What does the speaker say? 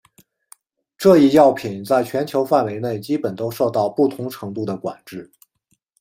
这一药品在全球范围内基本都受到不同程度的管制。